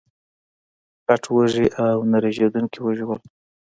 غټ وږي او نه رژېدونکي وږي وو